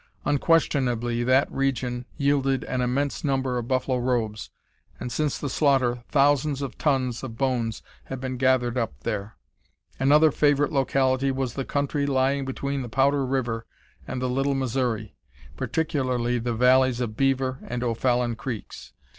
Unquestionably that region yielded an immense number of buffalo robes, and since the slaughter thousands of tons of bones have been gathered up there. Another favorite locality was the country lying between the Powder River and the Little Missouri, particularly the valleys of Beaver and O'Fallon Creeks.